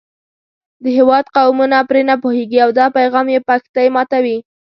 د هېواد قومونه پرې نه پوهېږي او دا پیغام یې پښتۍ ماتوي.